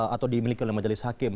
atau dimiliki oleh majelis hakim